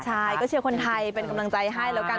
ใช่ก็เชียร์คนไทยเป็นกำลังใจให้แล้วกัน